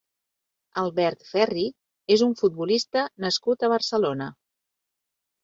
Albert Ferri és un futbolista nascut a Barcelona.